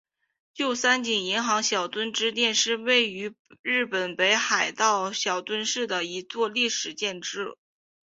旧三井银行小樽支店是位于日本北海道小樽市的一座历史建筑。